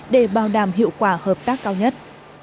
để bảo đảm hiệu quả hợp tác cao nhất